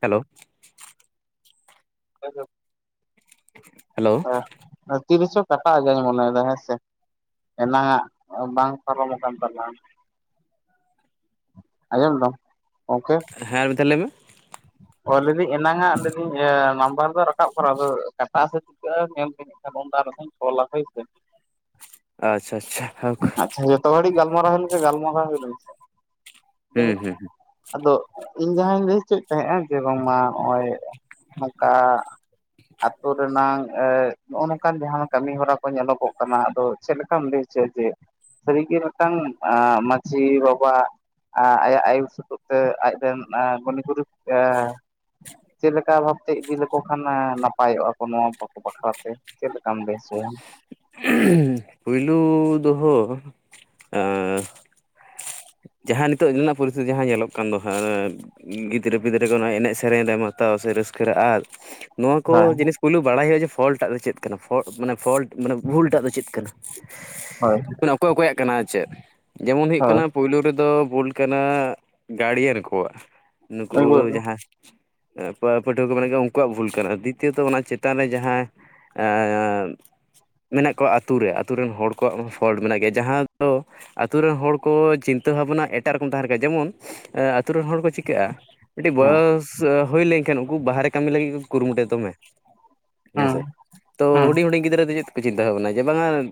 Hello hello ᱦᱮ ᱛᱤᱨᱮᱥᱚ ᱠᱟᱴᱟᱣ ᱜᱮᱧ ᱢᱚᱱᱮᱭᱮᱫᱟ ᱦᱮᱸ ᱥᱮ ᱮᱱᱟᱝ ᱟ ᱵᱟᱝ ᱯᱟᱨᱚᱢ ᱟᱠᱟᱱ ᱛᱟᱢᱟ ᱟᱡᱚᱢ ᱫᱟᱢ ᱜᱚᱝᱠᱮ ᱦᱮᱸ ᱢᱤᱫᱷᱟᱣ ᱞᱟᱹᱭ ᱢᱮ ᱚ ᱞᱟᱹᱭᱮᱫᱤᱧ ᱮᱱᱟᱱᱟᱜ ᱮ ᱱᱟᱢᱵᱟᱨ ᱫᱚ ᱨᱟᱠᱟᱵ ᱠᱟᱱᱟ ᱟᱫᱚ ᱠᱟᱴᱟ ᱟ ᱥᱮ ᱪᱤᱠᱟᱹᱜᱼᱟ ᱧᱮᱞ ᱟᱫᱚ ᱩᱱᱠᱟ ᱫᱚ ᱵᱟᱭ ᱚᱞᱟ ᱦᱳᱭ ᱥᱮ ᱟᱪᱪᱷᱟ ᱟᱪᱪᱷᱟ ᱦᱳᱠ ᱟᱪᱪᱷᱟ ᱡᱚᱛᱚ ᱦᱚᱲ ᱜᱟᱞᱢᱟᱨᱟ ᱦᱩᱭ ᱞᱮᱠᱟ ᱜᱟᱞᱢᱟᱨᱟ ᱦᱩᱭ ᱞᱮᱱ ᱯᱮ ᱦᱩᱸ ᱦᱩᱸ ᱟᱫᱚ ᱤᱧ ᱡᱟᱦᱟᱸᱧ ᱞᱟᱹᱭ ᱪᱚᱭᱮᱫ ᱛᱟᱦᱮᱸᱱᱟ ᱡᱮ ᱵᱟᱝᱢᱟ ᱱᱚᱜᱼᱚᱭ ᱱᱚᱝᱠᱟ ᱟᱛᱳ ᱨᱮᱱᱟᱝ ᱮ ᱱᱚᱜᱼᱚ ᱱᱚᱝᱠᱟᱱ ᱡᱟᱦᱟᱱ ᱠᱟᱹᱢᱤ ᱦᱚᱨᱟ ᱠᱚ ᱧᱮᱞᱚᱜᱚᱜ ᱠᱟᱱᱟ ᱟᱫᱚ ᱪᱮᱫ ᱞᱮᱠᱟᱢ ᱞᱟᱹᱭ ᱥᱮ ᱪᱮᱫ ᱥᱟᱹᱨᱤᱜᱮ ᱢᱤᱫᱴᱮᱱ ᱢᱟᱺᱡᱷᱤ ᱵᱟᱵᱟ ᱮ ᱟᱭᱟᱜ ᱟᱭᱩᱨ ᱥᱩᱛᱜ ᱛᱮ ᱟᱡᱨᱮᱱ ᱜᱚᱱᱤ ᱜᱩᱨᱩ ᱪᱮᱫ ᱞᱮᱠᱟ ᱵᱷᱟᱵ ᱪᱮᱫ ᱵᱤ ᱞᱮᱠᱚ ᱠᱷᱟᱱ ᱱᱟᱯᱟᱭᱚᱜᱼᱟ ᱠᱚ ᱱᱚᱣᱟ ᱵᱟᱠᱚ ᱵᱟᱠᱷᱨᱟ ᱛᱮ ᱪᱮᱫ ᱞᱮᱠᱟᱢ ᱵᱮᱥ ᱦᱩᱭᱟ ᱯᱳᱭᱞᱳ ᱫᱚᱦᱚ ᱡᱟᱦᱟᱸ ᱱᱤᱛᱚᱜ ᱨᱮᱱᱟᱜ ᱯᱚᱨᱤᱥᱛᱷᱤᱛᱤ ᱡᱟᱦᱟᱸ ᱧᱮᱞᱚᱜ ᱠᱟᱱ ᱫᱚ ᱦᱟᱸᱜ ᱜᱤᱫᱽᱨᱟᱹ ᱯᱤᱫᱽᱨᱟᱹ ᱠᱚ ᱚᱱᱟ ᱮᱱᱮᱡ ᱥᱮᱨᱮᱧ ᱨᱮ ᱦᱟᱛᱟᱣᱟ ᱥᱮ ᱨᱟᱹᱥᱠᱟᱹ ᱨᱮ ᱟᱫ ᱱᱚᱣᱟ ᱠᱚ ᱦᱳᱭ ᱡᱤᱱᱤᱥ ᱯᱩᱭᱩᱞᱩ ᱵᱟᱲᱟᱭ ᱦᱩᱭᱩᱜᱼᱟ ᱡᱮ ᱯᱷᱚᱞᱴ ᱴᱟᱜ ᱫᱚ ᱪᱮᱫ ᱠᱟᱱᱟ ᱢᱟᱱᱮ ᱯᱷᱚᱞᱴ ᱢᱟᱱᱮ ᱵᱷᱩᱞᱴᱟᱜ ᱫᱚ ᱪᱮᱫ ᱠᱟᱱᱟ ᱦᱳᱭ ᱚᱠᱚᱭ ᱚᱠᱚᱭᱟᱜ ᱠᱟᱱᱟ ᱪᱮᱫ ᱡᱮᱢᱚᱱ ᱦᱩᱭᱩᱜ ᱦᱳᱭ ᱠᱟᱱᱟ᱾ ᱯᱩᱭᱞᱳ ᱨᱮᱫᱚ ᱵᱩᱞ ᱠᱟᱱᱟ ᱜᱟᱲᱤᱭᱟᱱ ᱠᱚᱣᱟᱜ ᱱᱩᱠᱩ ᱮᱠᱵᱟᱨᱮ ᱡᱟᱦᱟᱭ ᱮ ᱯᱟᱹᱴᱷᱩᱣᱟᱹ ᱠᱚ ᱢᱮᱱ ᱠᱚᱣᱟ ᱩᱱᱠᱩᱣᱟᱜ ᱵᱷᱩᱞ ᱠᱟᱱᱟ ᱫᱤᱛᱤᱭᱚᱛᱚ ᱚᱱᱟ ᱪᱮᱛᱟᱱ ᱨᱮ ᱡᱟᱦᱟᱸ ᱮ [unintelligible] ᱢᱮᱱᱟᱜ ᱠᱚᱣᱟ ᱟᱹᱛᱩ ᱨᱮ ᱟᱹᱛᱩ ᱨᱮᱱ ᱦᱚᱲ ᱠᱚᱣᱟᱜ ᱯᱷᱚᱞᱴ ᱢᱮᱱᱟᱜ ᱜᱮᱭᱟ ᱡᱟᱦᱟᱸ ᱫᱚ ᱟᱛᱳ ᱨᱮᱱ ᱦᱚᱲ ᱠᱚ ᱪᱤᱱᱛᱟᱹ ᱵᱷᱟᱵᱽᱱᱟ ᱮᱴᱟᱜ ᱨᱚᱠᱚᱢ ᱛᱟᱦᱮᱱ ᱜᱮᱭᱟ ᱡᱮᱢᱚᱱ ᱟᱹᱛᱩ ᱨᱮᱱ ᱦᱚᱲ ᱠᱚ ᱪᱤᱠᱟᱹᱜᱼᱟ ᱠᱟᱹᱴᱤᱡ ᱦᱮᱸ ᱵᱚᱭᱚᱥ ᱦᱩᱭ ᱞᱮᱱ ᱠᱷᱟᱱ ᱩᱱᱠᱩ ᱵᱟᱦᱨᱮ ᱠᱟᱹᱢᱤ ᱞᱟᱹᱜᱤᱫ ᱠᱚ ᱠᱩᱨᱩᱢᱩᱴᱩ ᱫᱚᱢᱮ ᱦᱮᱸ ᱦᱮᱸᱥᱮ ᱛᱚ ᱦᱮᱸ ᱦᱩᱰᱤᱧ ᱦᱩᱰᱤᱧ ᱜᱤᱫᱽᱨᱟᱹ ᱫᱚ ᱪᱮᱫ [unintelligible] ᱡᱮ ᱵᱟᱝᱟ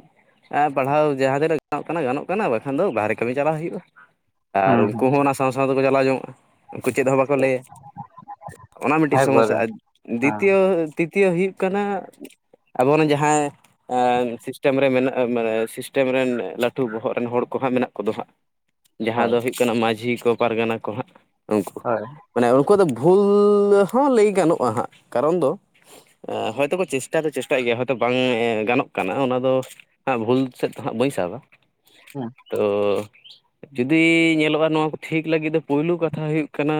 ᱯᱟᱲᱦᱟᱣ ᱡᱟᱦᱟᱸ ᱛᱤᱱᱟᱹᱜ ᱜᱟᱱᱚᱜ ᱠᱟᱱᱟ ᱜᱟᱱᱚᱜ ᱠᱟᱱᱟ ᱵᱟᱠᱷᱟᱱ ᱫᱚ ᱵᱟᱦᱨᱮ ᱠᱟᱹᱢᱤ ᱪᱟᱞᱟᱣ ᱦᱩᱭᱩᱜᱼᱟ᱾ ᱟᱨ ᱦᱮᱸ ᱩᱱᱠᱩ ᱦᱚᱸ ᱚᱱᱟ ᱥᱟᱶ ᱥᱟᱶ ᱛᱮᱠᱚ ᱪᱟᱞᱟᱣ ᱡᱚᱝᱚᱜᱼᱟ ᱩᱱᱠᱩ ᱪᱮᱫ ᱦᱚᱸ ᱵᱟᱠᱚ ᱞᱟᱹᱭᱟ᱾ ᱚᱱᱟ ᱢᱤᱫᱴᱤᱡ ᱥᱚᱢᱚᱥᱥᱟ ᱮᱠᱵᱟᱨᱮ ᱦᱮᱸ ᱫᱤᱛᱤᱭᱚ ᱛᱤᱛᱭᱚ ᱦᱩᱭᱩᱜ ᱠᱟᱱᱟ ᱟᱵᱚ ᱨᱮᱱ ᱡᱟᱦᱟᱭ ᱥᱤᱥᱴᱮᱢ ᱨᱮ ᱢᱮᱱᱟᱜ ᱢᱟᱱᱮ ᱥᱤᱥᱴᱮᱢ ᱨᱮᱱ ᱞᱟᱹᱴᱩ ᱵᱚᱦᱚᱜ ᱨᱮᱱ ᱦᱚᱲ ᱠᱚ ᱦᱟᱸᱜ ᱢᱮᱱᱟᱜ ᱠᱚᱫᱚ ᱦᱟᱸᱜ ᱡᱟᱦᱟᱸ ᱦᱳᱭ ᱫᱚ ᱦᱩᱭᱩᱜ ᱠᱟᱱᱟ ᱢᱟᱹᱡᱷᱤ ᱠᱚ ᱯᱟᱨᱜᱟᱱᱟ ᱠᱚ ᱦᱟᱸᱜ ᱩᱱᱠᱩ ᱦᱳᱭ ᱢᱟᱱᱮ ᱩᱱᱠᱩᱣᱟᱜ ᱫᱚ ᱵᱷᱩᱞ ᱦᱚᱸ ᱞᱟᱹᱭ ᱜᱟᱱᱚᱜᱼᱟ ᱦᱟᱸᱜ ᱠᱟᱨᱚᱱ ᱫᱚ ᱦᱚᱳᱭᱛᱚ ᱠᱚ ᱪᱮᱥᱴᱟ ᱫᱚ ᱪᱮᱥᱴᱟᱭᱮᱫ ᱜᱮᱭᱟ ᱦᱭᱛᱳ ᱵᱟᱝ ᱜᱟᱱᱚᱜ ᱠᱟᱱᱟ ᱚᱱᱟ ᱫᱚ ᱦᱟᱜ ᱵᱷᱩᱞ ᱥᱮᱫ ᱫᱚ ᱦᱟᱜ ᱵᱟᱹᱧ ᱥᱟᱵᱟ᱾ ᱦᱮᱸ ᱛᱚ ᱡᱩᱫᱤ ᱧᱮᱞᱚᱜᱼᱟ ᱱᱚᱣᱟ ᱠᱚ ᱴᱷᱤᱠ ᱞᱟᱹᱜᱤᱫ ᱫᱚ ᱯᱳᱭᱞᱩ ᱠᱟᱛᱷᱟ ᱦᱩᱭᱩᱜ ᱠᱟᱱᱟ